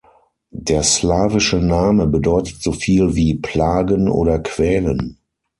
Der slawische Name bedeutet so viel wie „plagen“ oder „quälen“.